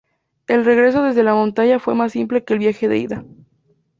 El regreso desde la montaña fue más simple que el viaje de ida.